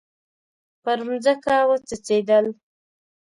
پر مځکه وڅڅیدل